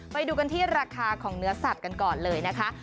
ไปดูกันที่ราคาของเนื้อสัตว์กันก่อนเลยนะคะ